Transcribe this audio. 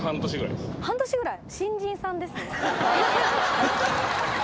半年ぐらい？